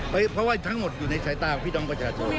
เพราะว่าทั้งหมดอยู่ในสายตาของพี่น้องประชาชน